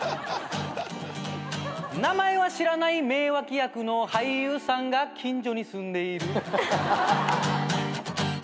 「名前は知らない名脇役の俳優さんが近所に住んでいる」